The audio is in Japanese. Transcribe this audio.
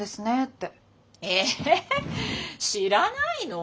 え知らないの？